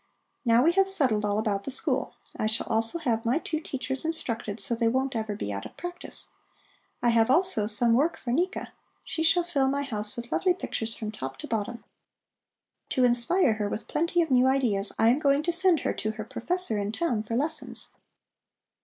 Now we have settled all about the school. I shall also have my two teachers instructed, so that they won't ever be out of practice. I have also some work for Nika: she shall fill my house with lovely pictures from top to bottom. To inspire her with plenty of new ideas, I am going to send her to her professor in town for lessons.